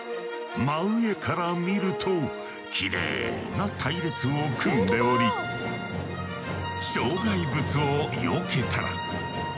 真上から見るときれいな隊列を組んでおり障害物をよけたら。